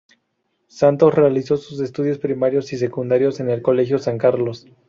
Santos realizó sus estudios primarios y secundarios en el Colegio San Carlos.